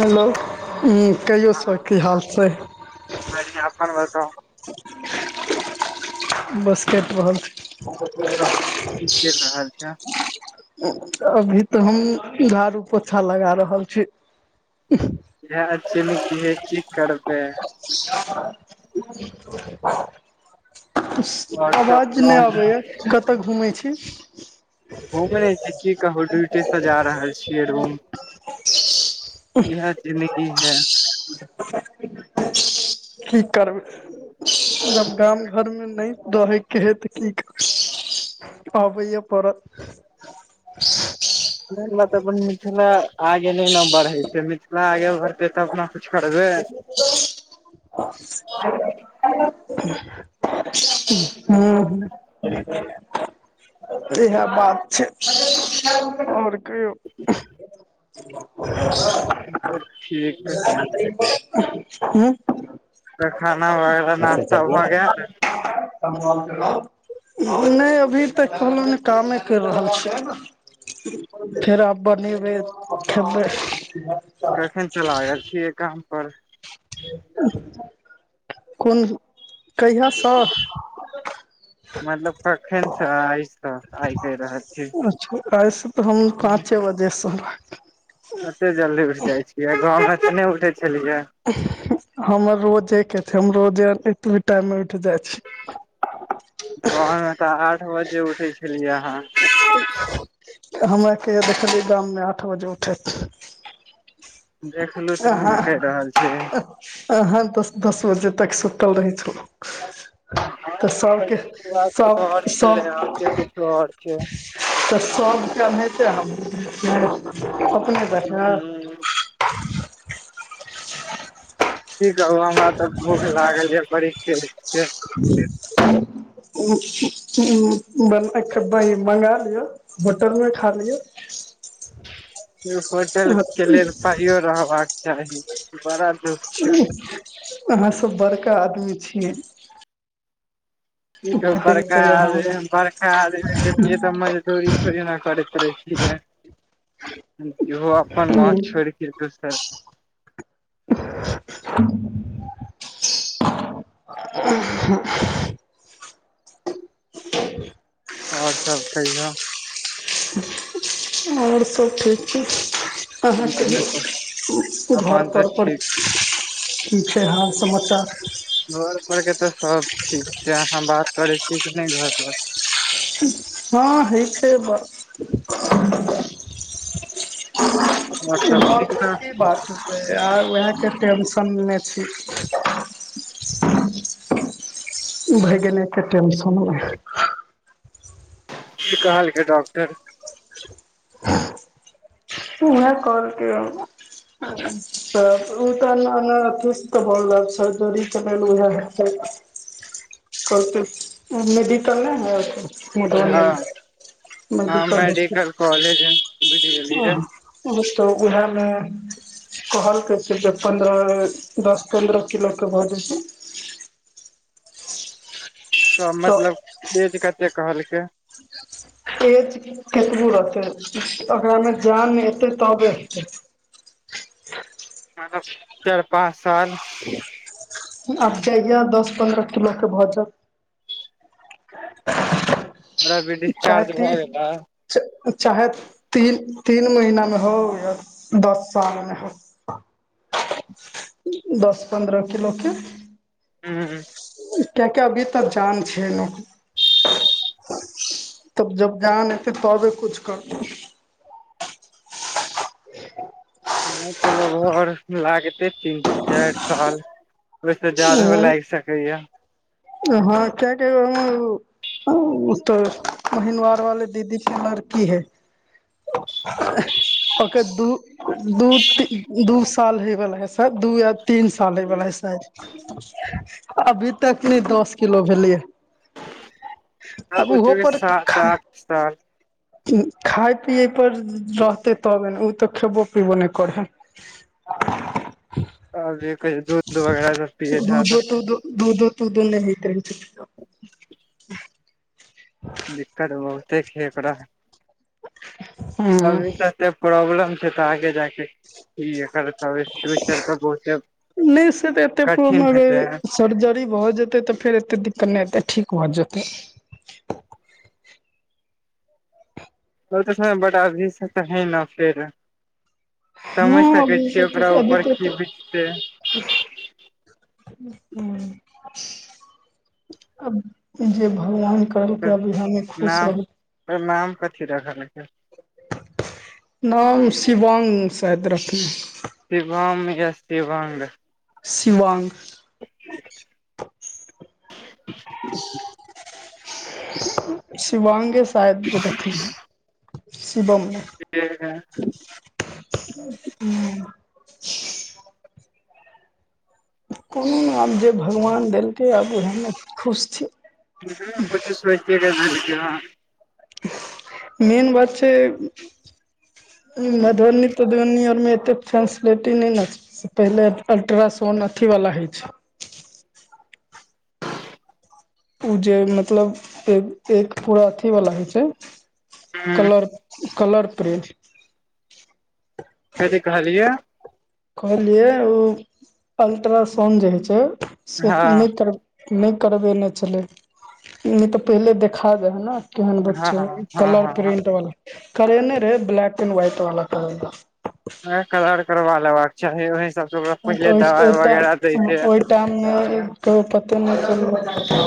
Hello कहियौ sir हँ की हाल छै बढ़िया अपन बताउ। बस कटि रहल छै। की चलि रहल छै अभी तऽ हम झाड़ू पोछा लगा रहल छी। इएह जिंदगी ए की करबै। [unintelligible] [unintelligible] [unintelligible] आओर सब आवाज नहि गाँव आबैए कतय घुमै छी। घुम नहि छी की कहू ड्यूटी सऽ जा रहल छियै रूम इएह जिन्दगी है। की करबै सब काम नहि देके हे तऽ की कर आबैया पड़त तऽ अपन मिथिला आगे नहि ने बढ़ै छै मिथिला आगे बढ़ते तऽ अपना कुछु करबै [unintelligible] हू हू इएह बात छै आओर कहियो ठीक हू तऽ खाना वगैरह नाास्ता भऽ गेल नहि अभी तऽ कहलहु ने कामे करि रहल छियै खाइर आब बनीबे खबे कखन सऽ लागल छियै काम पर कोन कहिया सऽ मतलब कखन सऽ आइसँ आइ कहि रहल छी ऐस तऽ हम पाँचे बजे से एते जल्दी उठ जाइ छियै गाँवमे त नहि उठे छलियै हमर रोजेके छै हम रोजे एतबी टाइममे उठि जाइ छी गाँवमे तऽ आठ बजे उठै छलियै अहाँ [unintelligible] हमरा कहिया देखलियै गाममे आठ बजे उठैत देखलू तब अहाँ नऽ कहि रहल छीियै अहाँ तऽ दस दस बजे तक सुतल रहै छलू तऽ सभके सभ आओर छलै आके सभ कुछो आओर छै ह तऽ सभके अहनाइतेअपने हू की कहू हमरा तऽ भूख लागल यऽ बड़ी केसके [unintelligible] [unintelligible] मंगा लिअ होटल मऽ खा लियऽ होटल कऽ लेल पाइयो रहबाक चाही बड़ा दुःख छै की अहाँ सब बड़का आदमी छियै बड़का अहाँ आदमी बड़का आदमी रहतै तऽ मजदूरी थोड़ी नऽ करेत रहतिये जेहो अपन गाँव छोड़िक दोसर [unintelligible] [unintelligible] आओर सब कहियो आओर सभ ठीक छै अहाँ कहियो घर अपन तऽ तरपर ठीक की छै हाल समाचार घर पर के तऽ सब ठीक छै अहाँ बात करे छीिय कि नहि घर पर हँ होई छै बात और सब ठीक घर ने के बात आ वएहके टेंशन मऽ छी भैगने कऽ टेंशन मे की कहलकै डॉक्टर उहाय कहलके हन त ओ तऽ [unintelligible] कत मेडिकल नहि हेयत मधुबनी हँ मेडिकल हॉस्पिटल कॉलेज गेलियै [unintelligible] उएहमे कहलके जे पन्द्रह दस पन्द्रह किलो कऽ भऽ जाइ थिन सब मतलब ऐज कते कहलकै [unintelligible] ऐज केतबो रहतै एककरामे जान एतै तबे हेतै मतलब चारि पाँच साल आब जाइया दस पन्द्रह किलो कऽ भऽ जात ओरा भी चाहे डिस्चार्ज भए गेला ती चाहे तीन तीन महीनामे हो या दस साल मे हो दस पन्द्र किलो के हूँँ किआकि अभी तऽ जान छै न [unintelligible] तब जब जान एतै तबे कुछ करतै नै तऽ घर लागतै तीन चारि साल ओहिसे जारो लाएग सकैया हँ [unintelligible] उ तऽ महिनवार वाले दीदी के लड़की है [inaudible] ओकर दू दू दू साल हयवला है दू या तीन साल होई वाला है साद अभी तकनै दस किलो भेलैय अब उहो पर स [unintelligible] खाय पियए पर रहतै तबे न उ तऽ खेबो पीवो नै करै है आ जे क [unintelligible] दूधो तूदो दूधो दूधो तूदो नै हैत रहै छै ह [inaudible] दिक्कत बहुते खे एकड़ा हूँ। अभी स एते प्रॉब्लम छै तऽ आगे जाके तब ई फ्यूचर के बहुते नहि से तऽ एते कठिन प्रॉब्लम अगर हेतै सर्जरी भऽ जेतै तऽ फेर एते दिक्कत नै एतै ठीक भऽ जेतै ओ तऽ बट अभी स त है न फेर समैझ हँ सकै अभी छियै ओकरा ऊपर की बितते अचछा [unintelligible] अब जे भगवान करलकै अभी हमे खुश नाम रहू पर नाम कथी रखलकै नाम शिवांग सैद रखने शिवांम यसती बंद सिवान्ग [inaudible] [inaudible] शिवांगे शायद रखने है शिवम नै जी [unintelligible] हूँ कोनो नै आब जे भगवान देलकै आब ओएमे खुश छी ह किछु सोचे क [unintelligible] मेन बात छै मधुबनी तधुबनी आओर मे एते फैसिलिटी नै ने छै से पहिले अल्ट्रासाउण अथीवला होइ छै ऊ जे मतलब एक एक पूरा अथी वला होइ छै हँ कलर कलर प्रिंट कथी कहलिय कहलियै ओ अल्ट्रासाउंड जे होइ छै से हँ नै कर नै करबेने छलै नै तऽ पहिले देखा जाय है न केहन हँ बच्चा हँ कलर हँ प्रिंट वला करेने रहै ब्लैक एंड व्हाइट वला करेने कलर करबा लेबाक चाही ओहि हिसाब सँ ओकरा पहिले दबाई वगैरह दैतै टाउन मे कहियो पते नय चलले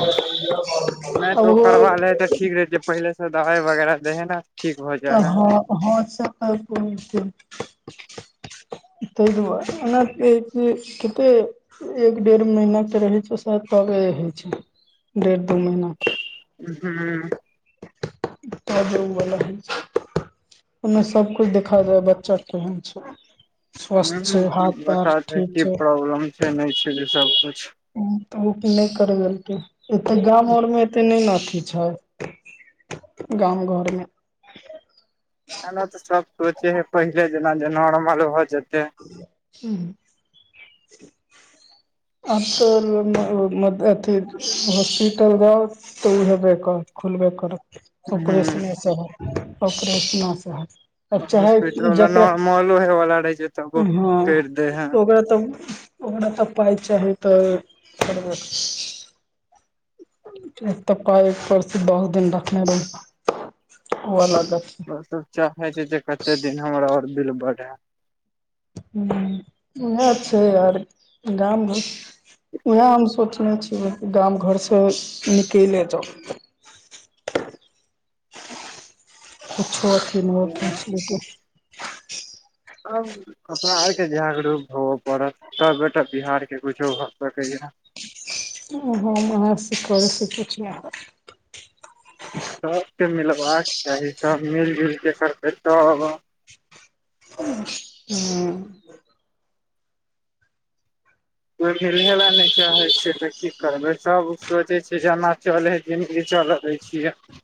नय तऽ ओ करबा लै है तऽ ठीक रहतै पहिलेसँ दवाइ वगैरह दै हैय न तऽ हँ हँ से तऽ बुझै छिये तै दुआरे ओना [unintelligible] कते एक डेढ़ महीना तऽ रहै छै साइद तबे होइ छै डेढ़ दू महीना केँ हुँ तब उ वला होइ छै ओय मे सब कुछ देखा रहै बच्चा केहेन छै हुँ- स्वस्थ छै हाथ हुँ पैर बता दै ठीक की छै प्रॉब्लम छै नै छै जे सब कुछ हुँ तऽ उ नय करवेलकै एतऽ गाम अर मे एते नै नऽ अथी छै गाम घर मे एना तऽ सब सोचै हेय पहिले जेना जे नॉर्मल भऽ जेतै उहूँ अतौ मे मद अथी हॉस्पिटल जाउ तऽ उ हेबै करत खुलबे करत ऑपरेशने ह सऽ हैत ऑपरेशनो सऽ हैत आब चाहे जकरा जेहो होइ वला रहै छै तबो हँ करि दे है ओकरा तऽ आइमे तऽ पाइ चाही तऽ करबे एक तऽ पाई ऊपर सऽ दस दिन रखने रह ओ अलग गप ओ सब चाहै छै जे कते दिन हमरा आउर बिल बढ़ै हुँ उहै छैय आउर गाम घर उहै हम सोचने छियै गाम घरसँ निकैले जाउ कुछो अथि नैय हइ फेसलिटी आब अपना आरके जागरूक होबऽ पड़त तबेटा बिहार केँ कुछो भऽ सकैय ओ हम अहाँ से करैय सँ कुछ नय हैत सबके मिलबाक चाही सब मिल जुइल केँ करतै तब हुँ कोई मलहे लऽ नय चाहे छै तऽ की करबै सब सोचै छै जेना चलै हइ जिनगी चलऽ दै छियै [inaudible]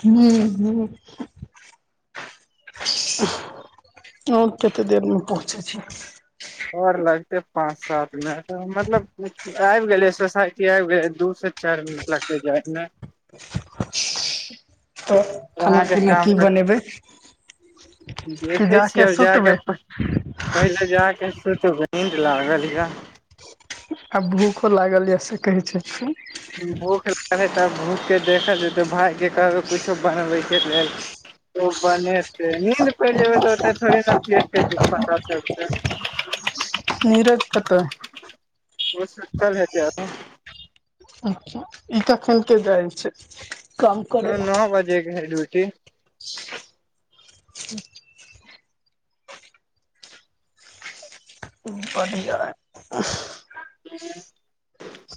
हुँ - हुँ आब कत्ते देर मे पहुँचै छी आओर लगतै पाँच सात मिनट मतलब आइब गेलियै सोसाइटी आइब गेलियै दू सँ चाइर मिनट लागतै जाइ मे तऽ खाना अहाँके पीना काम की बनेबै कि देखै छियै जाके आब जा कऽ सुतबै पै पहिले जै कऽ सुतबै नींद लागल य आब भूखो लागल य से कहै छथिन भूख लागल यऽ तब भूख केँ देखल जेतै भाय कऽ कहबे कुछो बनबै कऽ लेल उ बने निंद पैर जेबै तऽ ओतऽ थोड़े नऽ पेट छैय से पता चलतै निरज कतअ ओ सुतल हेते अच्छा ई तखन के दाइल छै काम करे कहलू ला नओ बजेके है ड्यूटी बढ़िया आह [unintelligible]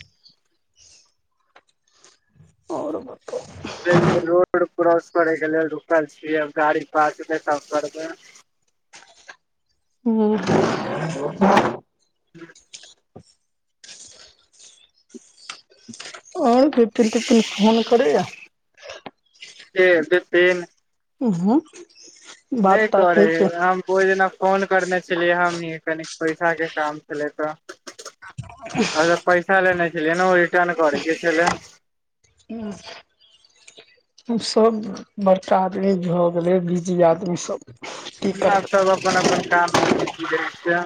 आओर बताउ रोड क्रॉस करे कऽ लेल रुकल छी गाड़ी पास एतय तब करबए हू [unintelligible] और बिपिन तिपिन फोन करए या के बिपिन हू नए करै हे हम ओय जेना फोन करने छलियै हमहि कनी पैसा कऽ काम छलै तऽ [unintelligible] अ पैसा लेने छलै नऽ ओ रिटर्न करो के छलय अच्छा सब बड़का आदमी भऽ गेलै बिजी आदमी सब की सब करबै तऽ अपन अपन काम मे बिजी रहिय छियै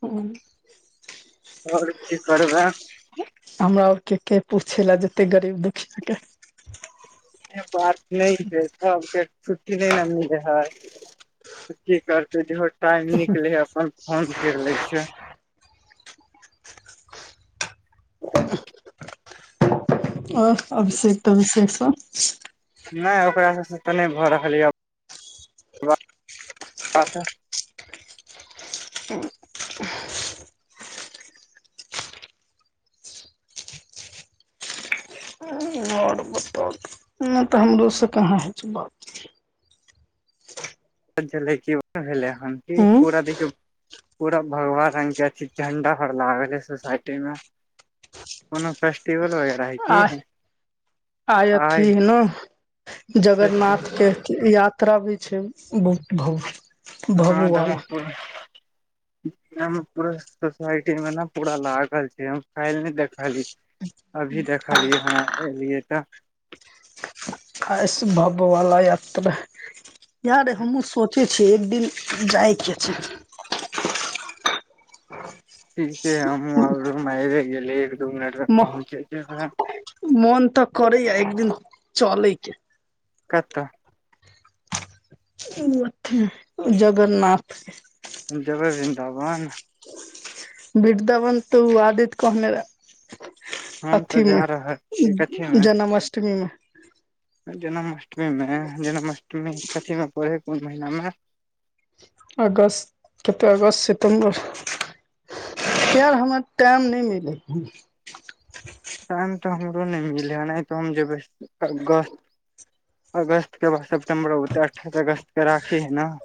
हू आओर की करबै हमरा और के के पूछै लऽ जते गरीब दुखिया के शे बात नहि है सबके छुट्टी नहि नऽ मीले हइ की करते जेहो टाइम निकले हे अपन फोन केर ले छय आउ अभिषेक तऽ तभिषेक सब नहि ओकरा सबसँ तऽ नहि भऽ रहल यऽ बात ओर बताऊ नए तऽ हमरो सऽ कहाँ हो छै बात कत जे भेलै हन कि हूँ पूरा देखियऔ पूरा भगवा रंग के झण्डा हर लागल यऽ सोसाइटी में कोनो फेस्टिवल वगैरा है की आय अथि आइ ऐह नऽ जगन्नाथ के या यात्रा भी छै भो भो हँ दारकपूर हम पूरा सोसाइटी मे नऽ पूरा लागल छै हम काईल नहि देखली अभी देखलियै हन एलियै तऽ अस भव वाला यात्रा यारे हमहुँ सोचे छि कि एक दिन जाइके छै ठीके हे हमहू आईबेगेली एक दू मिनट मे पहुँचे जेबई मोन तऽ करया एकदिन चलेके कतऽ ओतय जगरन्नाथ जबै बिन्दाबन बिन्दाबन तऽ उ आदित कहने रहैय हम तऽ अथी जा मे रहल छियै कथी मे जन्माष्टमी मे जन्माष्टमी मे जन्माष्टमी कथी मे पड़े हऽ कोन महिना मे अगसट कतऽ अगसत सितम्बर यार हमरा टाइम नहि मिलै टाइम तऽ हमरो नहि मिले हऽ ओनहि तऽ हम जेबै गस्त अगस्त के बाद सेप्टम्बरऽ अठाइस अगस्त के राखी है नऽ